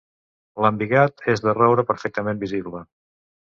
L'embigat és de roure, perfectament visible.